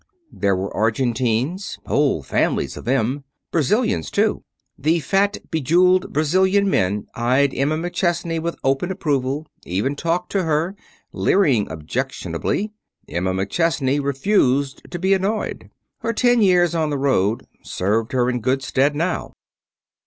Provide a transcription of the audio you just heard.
There were Argentines whole families of them Brazilians, too. The fat, bejeweled Brazilian men eyed Emma McChesney with open approval, even talked to her, leering objectionably. Emma McChesney refused to be annoyed. Her ten years on the road served her in good stead now.